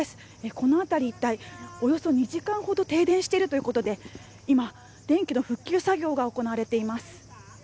この辺り一帯、およそ２時間ほど停電しているということで今、電気の復旧作業が行われています。